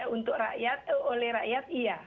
untuk rakyat oleh rakyat iya